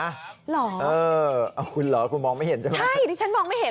เหรอเออเอาคุณเหรอคุณมองไม่เห็นใช่ไหมใช่ดิฉันมองไม่เห็น